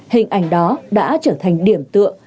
hình ảnh đó đã trở thành điểm tượng